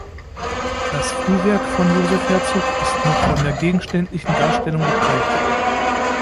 Das Frühwerk von Josef Herzog ist noch von der gegenständlichen Darstellung geprägt.